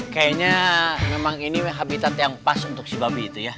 kayaknya memang ini habitat yang pas untuk si babi itu ya